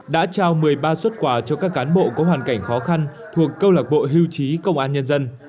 đã trao một mươi ba xuất quà cho các cán bộ có hoàn cảnh khó khăn thuộc câu lạc bộ hưu trí công an nhân dân